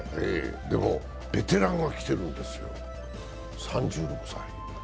でも、ベテランが来てるんですよ、３６歳。